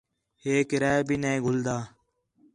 ہِے کرایہ بھی نَے گھلدا